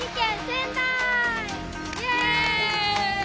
イエーイ！